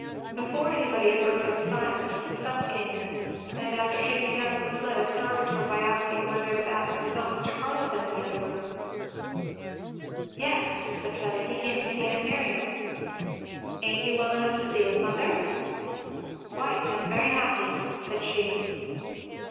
Before anybody had broken the silence Seth came in; and after shaking hands with Fleda, startled her by asking whether that was not Mr. Carleton in the other room. "Yes," Fleda said, "he came to see aunt Miriam." "Ain't you well enough to see him, mother?" "Quite and very happy," said she.